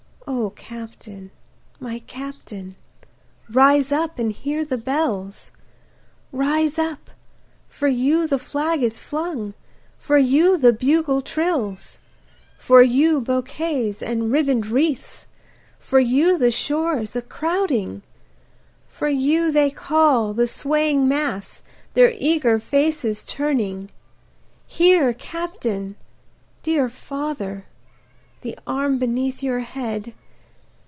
O Captain! my Captain! rise up and hear the bells; Rise up for you the flag is flung for you the bugle trills, For you bouquets and ribbon'd wreaths for you the shores a crowding, For you they call, the swaying mass, their eager faces turning; Here Captain! dear father! The arm beneath your head!